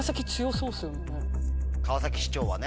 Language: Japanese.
川崎市長はね。